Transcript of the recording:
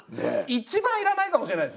一番要らないかもしれないですね。